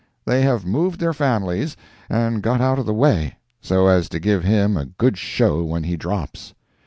They have moved their families, and got out of the way, so as to give him a good show when he drops.